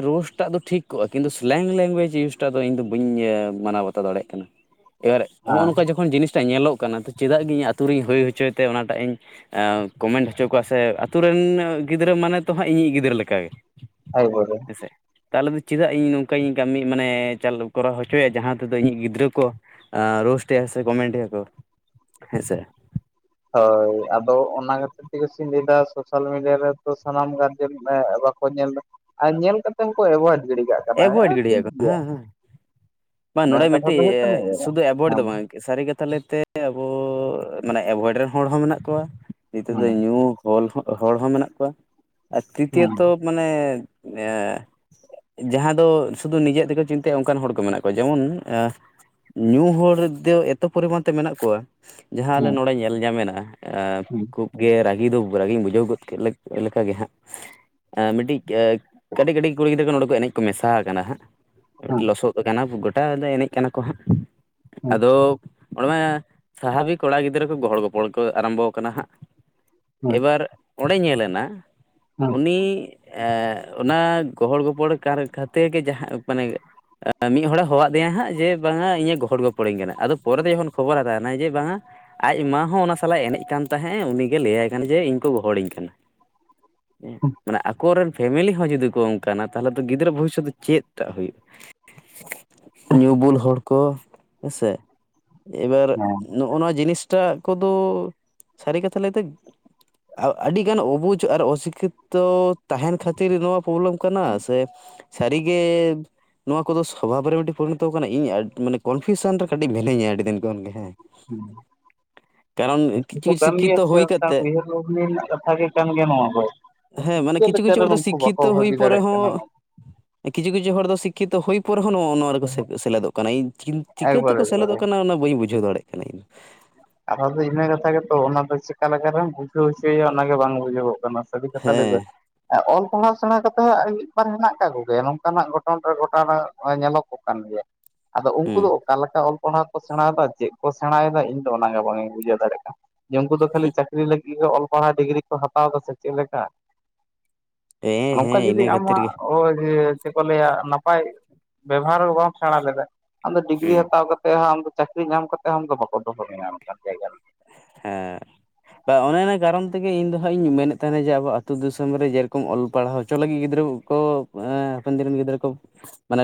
ᱨᱳᱥᱴᱟᱜ ᱫᱚ ᱴᱷᱤᱠ ᱠᱚᱜᱼᱟ ᱠᱤᱱᱛᱩ ᱥᱮᱞᱮᱝ ᱞᱮᱝᱜᱩᱭᱮᱡᱽ ᱤᱭᱩᱥᱴᱟᱜ ᱫᱚ ᱤᱧ ᱫᱚ ᱵᱟᱹᱧ ᱢᱟᱱᱟᱣ ᱵᱟᱛᱟᱣ ᱫᱟᱲᱮᱭᱟᱜ ᱠᱟᱱᱟ ᱾ [inaudible] ᱮᱵᱟᱨ ᱱᱚᱜᱼᱚ ᱦᱮᱸ ᱱᱚᱝᱠᱟ ᱡᱚᱠᱷᱚᱱ ᱡᱤᱱᱤᱥᱴᱟ ᱧᱮᱞᱚᱜ ᱠᱟᱱᱟ ᱛᱚ ᱪᱮᱫᱟᱜ ᱜᱮ ᱤᱧ ᱟᱹᱛᱩ ᱨᱤᱧ ᱦᱩᱭ ᱦᱚᱪᱚᱭ ᱛᱮ ᱚᱱᱟᱴᱟᱜ ᱤᱧ ᱠᱚᱢᱮᱱᱴ ᱦᱚᱪᱚ ᱠᱚᱣᱟ ᱥᱮ ᱟᱛᱳ ᱨᱮᱱ ᱜᱤᱫᱽᱨᱟᱹ ᱢᱟᱱᱮ ᱛᱚ ᱦᱟᱸᱜ ᱤᱧᱤᱡ ᱜᱤᱫᱽᱨᱟᱹ ᱞᱮᱠᱟᱜᱮ [unintelligible] ᱦᱮᱸᱥᱮ ᱛᱟᱦᱚᱞᱮ ᱫᱚ ᱪᱮᱫᱟᱜ ᱤᱧ ᱱᱚᱝᱠᱟᱧ ᱠᱟᱹᱢᱤ ᱢᱟᱱᱮ ᱠᱚᱨᱟᱣ ᱪᱟᱞ ᱦᱚᱪᱚᱭᱟ ᱡᱟᱦᱟᱸ ᱛᱮᱫᱚ ᱤᱧᱤᱡ ᱜᱤᱫᱽᱨᱟᱹ ᱠᱚ ᱨᱳᱥᱴᱮᱜ ᱟᱲᱮ ᱠᱚᱢᱮᱱᱴᱮᱜ ᱟᱠᱚ ᱦᱮᱸᱥᱮ ᱦᱳᱭ ᱟᱫᱚ ᱚᱱᱟ ᱠᱟᱛᱮ ᱤᱱᱟ ᱛᱮᱜᱮ ᱥᱮᱧ ᱞᱟᱭᱫᱟ ᱥᱳᱥᱟᱞ ᱢᱤᱰᱤᱭᱟ ᱨᱮᱫᱚ ᱥᱟᱱᱟᱢ ᱜᱟᱨᱡᱮᱱ ᱵᱟᱠᱚ ᱧᱮᱞᱫᱟ ᱟᱨ ᱧᱮᱞ ᱠᱟᱛᱮ ᱱᱤᱛᱟᱝ ᱠᱚ ᱮᱵᱷᱚᱭᱮᱰ ᱜᱤᱰᱤ ᱠᱟᱜ ᱠᱟᱱᱟ ᱮᱵᱷᱚᱭᱮᱰ ᱦᱮᱸ ᱴᱷᱤᱠ ᱜᱤᱰᱤᱭᱟᱠᱚ ᱜᱮᱭᱟ ᱦᱮᱸ ᱾ ᱦᱮᱸ ᱵᱟᱝ ᱱᱚᱰᱮ ᱢᱤᱫᱴᱤ ᱠᱟᱱᱟ ᱦᱮᱸ ᱥᱩᱫᱩ ᱮᱵᱚᱭᱮᱰ ᱫᱚ ᱵᱟᱝ ᱦᱮᱸ ᱥᱟᱹᱨᱤ ᱠᱟᱛᱷᱟ ᱞᱟᱹᱭᱛᱮ ᱟᱵᱚ ᱢᱟᱱᱮ ᱮᱵᱷᱚᱭᱮᱰ ᱨᱮᱱ ᱦᱚᱲ ᱦᱚᱸ ᱢᱮᱱᱟᱜ ᱠᱚᱣᱟ ᱱᱤᱛᱚᱜ ᱫᱚ ᱧᱩ [unintelligible] ᱦᱚᱲ ᱦᱚᱸ ᱢᱮᱱᱟᱜ ᱠᱚᱣᱟ ᱟᱨ ᱛᱨᱤᱛᱤᱭᱚ ᱦᱮᱸ ᱛᱚ ᱢᱟᱱᱮ ᱮᱸ ᱡᱟᱦᱟᱸ ᱫᱚ ᱥᱩᱫᱷᱩ ᱱᱤᱡᱮᱨ ᱛᱮᱠᱚ ᱪᱤᱱᱛᱟᱹᱭᱟ ᱚᱱᱠᱟᱱ ᱦᱚᱲ ᱠᱚ ᱢᱮᱱᱟᱜ ᱠᱚᱣᱟ ᱡᱮᱢᱚᱱ ᱧᱩ ᱦᱚᱲ ᱫᱚ ᱮᱛᱚ ᱯᱚᱨᱤᱢᱟᱱ ᱛᱮ ᱢᱮᱱᱟᱜ ᱠᱚᱣᱟ ᱡᱟᱦᱟᱸ ᱟᱞᱮ ᱦᱮᱸ ᱱᱚᱰᱮ ᱧᱮᱞ ᱧᱟᱢᱮᱱᱟ ᱠᱩᱼᱼ ᱜᱮ ᱨᱟᱹᱜᱤ ᱫᱚ ᱨᱟᱹᱜᱤᱧ ᱵᱩᱡᱷᱟᱹᱣ ᱜᱚᱫ ᱠᱮᱫ ᱞᱮᱠᱟᱜᱮ ᱦᱟᱸᱜ ᱢᱤᱫᱴᱤᱡ ᱠᱟᱹᱴᱤᱡ ᱠᱟᱹᱴᱤᱡ ᱠᱩᱲᱤ ᱜᱤᱫᱽᱨᱟᱹ ᱠᱚ ᱱᱚᱰᱮ ᱠᱚ ᱮᱱᱮᱡ ᱠᱚ ᱢᱮᱥᱟ ᱟᱠᱟᱱᱟ ᱦᱟᱸᱜ ᱦᱮᱸ ᱢᱤᱫᱴᱤᱡ ᱞᱚᱥᱚᱫ ᱠᱟᱱᱟ [unintelligible] ᱜᱚᱴᱟ ᱧᱤᱫᱟᱹ ᱮᱱᱮᱡ ᱠᱟᱱᱟ ᱠᱚ ᱦᱟᱸᱜ ᱦᱮᱸ ᱟᱫᱚ ᱚᱸᱰᱮᱢᱟ ᱥᱟᱦᱟᱵᱤᱠ ᱠᱚᱲᱟ ᱜᱤᱫᱽᱨᱟᱹ ᱠᱚ ᱜᱚᱦᱚᱲᱚ ᱜᱚᱯᱚᱲ ᱠᱚ ᱟᱨᱟᱢᱵᱚ ᱟᱠᱟᱱᱟ ᱦᱟᱸᱜ ᱦᱮᱸ ᱮᱵᱟᱨ ᱚᱸᱰᱮ ᱧᱮᱞ ᱮᱱᱟ ᱦᱮᱸ ᱩᱱᱤ ᱮ ᱚᱱᱟ ᱜᱚᱦᱚᱲ ᱜᱚᱯᱚᱲ ᱠᱟᱨ ᱠᱷᱟᱹᱛᱤᱨ ᱜᱮ ᱡᱟᱦᱟᱸ ᱢᱟᱱᱮ ᱢᱤᱫ ᱦᱚᱲᱮ ᱦᱚᱦᱚᱣᱟᱫᱮᱭᱟ ᱦᱟᱸᱜ ᱡᱮ ᱵᱟᱝᱟ ᱤᱧᱮ ᱜᱚᱦᱚᱲ ᱜᱚᱯᱚᱲᱤᱧ ᱠᱟᱱᱟ ᱟᱫᱚ ᱯᱚᱨᱮ ᱛᱮ ᱡᱚᱠᱷᱚᱱ ᱠᱷᱚᱵᱚᱨ ᱦᱟᱛᱟᱣᱮᱱᱟ ᱡᱮ ᱵᱟᱝᱟ ᱟᱡ ᱢᱟ ᱦᱚᱸ ᱚᱱᱟ ᱥᱟᱞᱟᱜ ᱮᱱᱮᱡ ᱠᱟᱱ ᱛᱟᱦᱮᱸᱫ ᱮ ᱩᱱᱤᱜᱮ ᱞᱟᱹᱭᱟᱭ ᱠᱟᱱᱟ ᱡᱮ ᱤᱧ ᱠᱚ ᱜᱚᱦᱚᱲᱤᱧ ᱠᱟᱱᱟ ᱦᱮᱸ ᱢᱟᱱᱮ ᱟᱠᱚᱨᱮᱱ ᱯᱷᱮᱢᱮᱞᱤ ᱦᱚᱸ ᱡᱩᱫᱤ ᱠᱚ ᱚᱱᱠᱟᱱᱟ ᱛᱟᱦᱚᱞᱮ ᱛᱚ ᱜᱤᱫᱽᱨᱟᱹ ᱵᱷᱚᱵᱤᱥᱚᱛ ᱫᱚ ᱪᱮᱫ ᱴᱟᱜ ᱦᱩᱭᱩᱜ ᱧᱩ ᱵᱩᱞ ᱦᱚᱲ ᱠᱚ ᱦᱮᱸᱥᱮ ᱮᱵᱟᱨ ᱦᱮᱸ ᱚᱱᱟ ᱡᱤᱱᱤᱥᱴᱟᱜ ᱠᱚᱫᱚ ᱥᱟᱹᱨᱤ ᱠᱟᱛᱷᱟ ᱞᱟᱹᱭᱛᱮ ᱟᱹᱰᱤᱜᱟᱱ ᱚᱵᱩᱡᱽ ᱟᱨ ᱚᱥᱤᱠᱷᱤᱛᱚ ᱛᱟᱦᱮᱱ ᱠᱷᱟᱹᱛᱤᱨ ᱱᱚᱣᱟ ᱯᱨᱚᱵᱞᱮᱢ ᱠᱟᱱᱟ ᱥᱮ ᱥᱟᱹᱨᱤ ᱜᱮ ᱱᱚᱣᱟ ᱠᱚᱫᱚ ᱥᱚᱵᱷᱟᱵᱽ ᱨᱮ ᱢᱤᱫᱴᱤᱡ ᱯᱚᱨᱤᱱᱚᱛᱚ ᱠᱟᱱᱟ ᱤᱧ ᱢᱟᱱᱮ ᱠᱚᱱᱯᱷᱤᱭᱩᱥᱚᱱ ᱨᱮ ᱠᱟᱹᱴᱤᱡ ᱢᱤᱱᱟᱹᱧᱟ ᱟᱹᱰᱤ ᱫᱤᱱ ᱠᱷᱚᱱ ᱜᱮ ᱦᱮᱸ [inaudible] ᱠᱟᱨᱚᱱ ᱠᱤᱪᱷᱩ [unintelligible] ᱠᱤᱪᱷᱩ ᱠᱟᱱ ᱜᱮᱭᱟ ᱥᱤᱠᱠᱷᱤᱛᱚ ᱥᱮ ᱦᱩᱭ ᱠᱟᱛᱮᱜ ᱩᱭᱦᱟᱹᱨ ᱵᱷᱟᱹᱵᱽᱱᱤ ᱨᱮᱱᱟᱜ ᱠᱟᱛᱷᱟ ᱜᱮ ᱠᱟᱱ ᱜᱮᱭᱟ ᱱᱚᱣᱟ ᱫᱚ ᱦᱮᱸ ᱢᱟᱱᱮ ᱪᱤᱠᱟᱹ ᱠᱤᱪᱷᱩ ᱞᱮᱠᱟ ᱠᱤᱪᱷᱩ ᱨᱮ ᱦᱚᱲ ᱫᱚ ᱱᱩᱠᱩ ᱵᱟᱠᱚ ᱥᱤᱠᱠᱷᱤᱛᱚ ᱦᱩᱭ ᱵᱷᱟᱹᱵᱤ ᱯᱚᱨᱮ ᱫᱟᱲᱮᱜ ᱠᱟᱱᱟ᱾ ᱦᱚᱸ ᱠᱤᱪᱷᱩ ᱠᱤᱪᱷᱩ ᱦᱚᱲ ᱫᱚ ᱥᱤᱠᱠᱷᱤᱛᱚ ᱦᱩᱭ ᱯᱚᱨᱮ ᱦᱚᱸ ᱱᱚ ᱱᱚᱣᱟ ᱨᱮᱠᱚ ᱥᱮ ᱥᱮᱞᱮᱫᱚᱜ ᱠᱟᱱᱟ ᱪᱤᱠᱟᱹ ᱮᱠᱵᱟᱨᱮ ᱛᱮᱠᱚ ᱥᱮᱞᱮᱫᱚᱜ ᱮᱠᱵᱟᱨᱮ ᱠᱟᱱᱟ ᱚᱱᱟ ᱵᱟᱹᱧ ᱵᱩᱡᱷᱟᱹᱣ ᱫᱟᱲᱮᱭᱟᱜ ᱠᱟᱱᱟ ᱤᱧ ᱠᱟᱛᱷᱟ ᱫᱚ ᱤᱱᱟᱹ ᱠᱟᱛᱷᱟ ᱜᱮᱛᱚ ᱚᱱᱟ ᱫᱚ ᱪᱮᱠᱟ ᱞᱮᱠᱟ ᱨᱮᱢ ᱵᱩᱡᱷᱟᱹᱣ ᱦᱚᱪᱚᱭᱮᱭᱟ ᱚᱱᱟᱜᱮ ᱵᱟᱝ ᱵᱩᱡᱷᱟᱹᱜᱚᱜ ᱠᱟᱱᱟ ᱥᱟᱹᱨᱤ ᱠᱟᱛᱷᱟ ᱞᱟᱹᱭ ᱫᱚ ᱦᱮᱸ ᱦᱮᱸ ᱚᱞ ᱯᱟᱲᱦᱟᱣ ᱥᱮᱬᱟ ᱠᱟᱛᱮ ᱦᱚᱸ ᱢᱤᱫᱵᱟᱨ ᱦᱮᱱᱟᱜ ᱟᱠᱟᱜ ᱠᱚᱜᱮᱭᱟ ᱱᱚᱝᱠᱟᱱᱟᱜ ᱜᱷᱚᱴᱚᱱ ᱨᱮ ᱜᱷᱚᱴᱟᱱᱟ ᱧᱮᱞᱚᱜᱚᱜ ᱠᱟᱱ ᱜᱮᱭᱟ ᱟᱫᱚ ᱩᱱᱠᱩ ᱦᱩᱸ ᱫᱚ ᱚᱠᱟᱞᱮᱠᱟ ᱚᱞ ᱯᱟᱲᱦᱟᱣ ᱠᱚ ᱥᱮᱬᱟᱭᱮᱫᱟ ᱪᱮᱫ ᱠᱚ ᱥᱮᱬᱟᱭᱮᱫᱟ ᱤᱧᱼᱼ ᱫᱚ ᱚᱱᱟᱜᱮ ᱵᱟᱝ ᱤᱧ ᱵᱩᱡᱷᱟᱹᱣ ᱫᱟᱲᱮᱭᱟᱜᱼᱟ ᱠᱟᱱ ᱡᱮ ᱩᱱᱠᱩ ᱫᱚ ᱠᱷᱟᱹᱞᱤ ᱪᱟᱹᱠᱨᱤ ᱞᱟᱹᱜᱤᱫᱼᱼ [unintelligible] ᱚᱞ ᱯᱟᱲᱦᱟᱣ ᱰᱤᱜᱽᱨᱤ ᱠᱚ ᱦᱟᱛᱟᱣ ᱮᱫᱟ ᱥᱮ ᱪᱮᱫ ᱞᱮᱠᱟ ᱦᱮᱸ ᱱᱚᱝᱠᱟ ᱦᱮᱸ ᱡᱩᱫᱤ ᱤᱱᱟᱹ ᱠᱷᱟᱹᱛᱤᱨ ᱟᱢᱟᱜ ᱜᱮ [unintelligible] ᱪᱮᱫ ᱠᱚ ᱞᱟᱹᱭᱟ ᱱᱟᱯᱟᱭ ᱵᱮᱵᱚᱦᱟᱨ ᱦᱚᱸ ᱵᱟᱢ ᱥᱮᱬᱟ ᱞᱮᱫᱟ ᱟᱢᱫᱚ ᱰᱤᱜᱽᱨᱤ ᱦᱩᱸ ᱦᱟᱛᱟᱣ ᱠᱟᱛᱮ ᱦᱚᱸ ᱟᱢ ᱫᱚ ᱪᱟᱹᱠᱨᱤ ᱧᱟᱢ ᱠᱟᱛᱮ ᱦᱚᱸ ᱚᱱᱠᱟ ᱵᱟᱠᱚ ᱫᱚᱦᱚ ᱢᱮᱭᱟ ᱚᱱᱠᱟᱱ ᱡᱟᱭᱜᱟ ᱨᱮ ᱦᱮᱸ ᱵᱟᱝ ᱚᱱᱮ ᱚᱱᱟ ᱠᱟᱨᱚᱱ ᱛᱮᱜᱮ ᱤᱧ ᱫᱚ ᱦᱟᱸᱜ ᱤᱧ ᱢᱮᱱᱮᱫ ᱛᱟᱦᱮᱱᱟ ᱡᱮ ᱟᱵᱚ ᱟᱹᱛᱩ ᱫᱤᱥᱚᱢ ᱨᱮ ᱡᱮᱨᱚᱠᱚᱢ ᱚᱞ ᱯᱟᱲᱦᱟᱣ ᱦᱚᱪᱚ ᱞᱟᱹᱜᱤᱫ ᱜᱤᱫᱽᱨᱟᱹ ᱠᱚᱼᱼ ᱠᱚ ᱮᱸ ᱦᱟᱯᱮᱱ ᱫᱤᱱ ᱨᱮᱱ ᱜᱤᱫᱽᱨᱟᱹ ᱠᱚ ᱢᱟᱱᱮ